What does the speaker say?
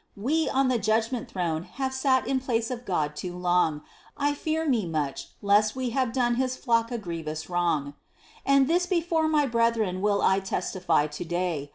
We on the judgment throne have sat in place of God too long; I fear me much lest we have done His flock a grievous wrong: "And this before my brethren will I testify to day."